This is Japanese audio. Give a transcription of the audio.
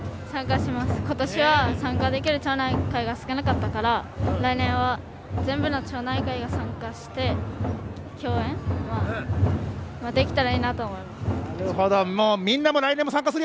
今年は参加できる町内会が少なかったから来年は、全部の町内会に参加して共演できたらいいなと思います。